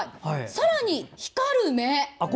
さらに光る目。